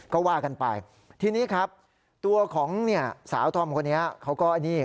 ก็ว่ากันไปทีนี้ครับตัวของเนี่ยสาวธอมคนนี้เขาก็อันนี้